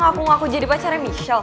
kenapa gak aku ngaku jadi pacarnya michelle